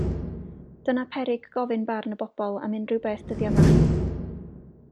Dyna peryg gofyn barn y bobol am unrhyw beth dyddie 'ma.